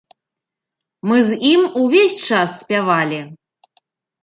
Мы з ім увесь час спявалі.